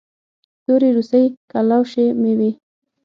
تورې روسۍ کلوشې مې وې.